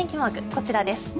こちらです。